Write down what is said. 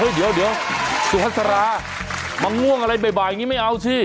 เฮ้ยเฮ้ยเดี๋ยวสุธรามังง่วงอะไรบ่ายอย่างนี้ไม่เอาสิ